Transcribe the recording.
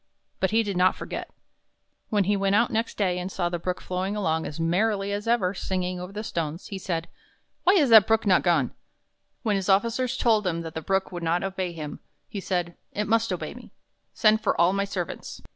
But he did not forget. When he went out next day, and saw the Brook flowing along as merrily as 37 THE BROOK IN THE KING'S GARDEN ever, singing over the stones, he said: " Why is the Brook not gone?" When his officers told him 'that the Brook would not obey him, he said: ''It must obey me. Send for all my servants."